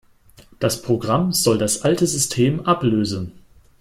Das Programm soll das alte System ablösen.